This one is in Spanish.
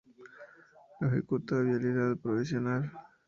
Lo ejecuta Vialidad Provincial